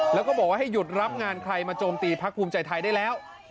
แล้วก็บอกว่าให้หยุดรับงานใครมาโจมตีพักภูมิใจไทยได้แล้ว